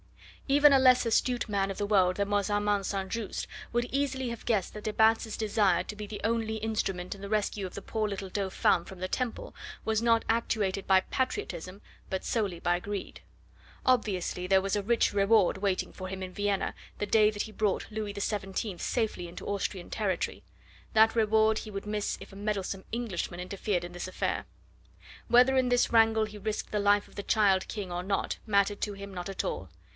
Even a less astute man of the world than was Armand St. Just would easily have guessed that de Batz' desire to be the only instrument in the rescue of the poor little Dauphin from the Temple was not actuated by patriotism, but solely by greed. Obviously there was a rich reward waiting for him in Vienna the day that he brought Louis XVII safely into Austrian territory; that reward he would miss if a meddlesome Englishman interfered in this affair. Whether in this wrangle he risked the life of the child King or not mattered to him not at all.